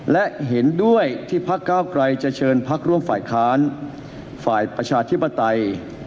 และเห็นด้วยที่พักเก้าไกรจะเชิญพักร่วมฝ่ายค้านฝ่ายประชาธิปไตย